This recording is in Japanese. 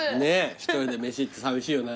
１人で飯行ってさみしいよな。